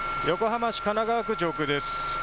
横浜市神奈川区上空です。